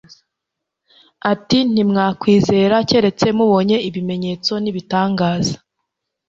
ati : «Ntimwakwizera keretse mubonye ibimenyetso n'ibitangaza'.»